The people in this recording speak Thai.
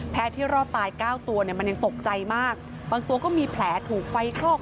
ที่รอดตายเก้าตัวเนี่ยมันยังตกใจมากบางตัวก็มีแผลถูกไฟคลอก